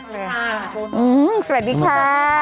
ว้าวสวัสดีค่ะ